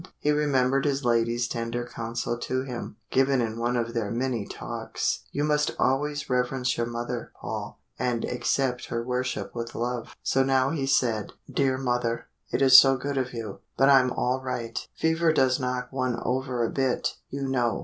He remembered his lady's tender counsel to him, given in one of their many talks: "You must always reverence your mother, Paul, and accept her worship with love." So now he said: "Dear mother, it is so good of you, but I'm all right fever does knock one over a bit, you know.